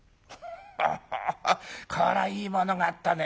ハハハハこれはいいものがあったね。